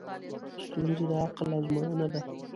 ستونزې د عقل ازموینه ده.